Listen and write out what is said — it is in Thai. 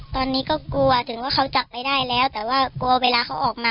ตอนนี้ก็กลัวถึงว่าเขาจับไม่ได้แล้วแต่ว่ากลัวเวลาเขาออกมา